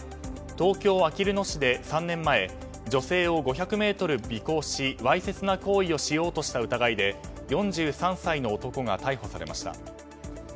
東京・あきる野市で３年前、女性を５００ｍ尾行しわいせつな行為をしようとした疑いで４３歳の男が逮捕されました。